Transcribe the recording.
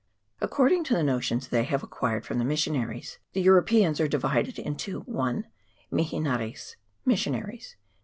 According to the no tions they have acquired from the missionaries, the Europeans are divided into 1. Mihaneres (missionaries).